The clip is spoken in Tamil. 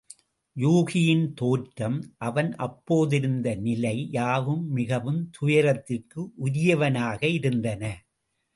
யூகியின் தோற்றம், அவன் அப்போதிருந்த நிலை யாவும் மிகவும் துயரத்திற்கு உரியனவாக இருந்தன.